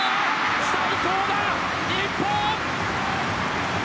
最高だ、日本！